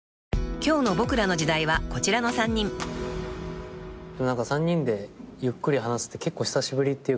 ［今日の『ボクらの時代』はこちらの３人］でも何か３人でゆっくり話すって結構久しぶりっていうか。